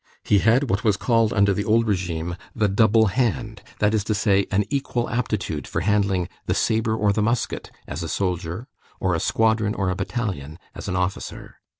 He had what was called under the old regime, the double hand, that is to say, an equal aptitude for handling the sabre or the musket as a soldier, or a squadron or a battalion as an officer.